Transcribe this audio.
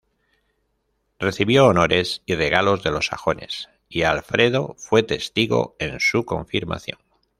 Recibió honores y regalos de los sajones y Alfredo fue testigo en su confirmación.